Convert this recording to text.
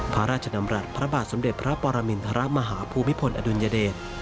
พระราชดำรัฐพระบาทสมเด็จพระปรมินทรมาฮาภูมิพลอดุลยเดช